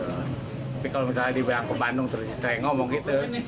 tapi kalau misalnya di bandung terus saya ngomong gitu